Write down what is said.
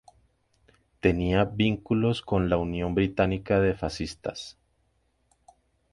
Tenía vínculos con la Unión Británica de Fascistas.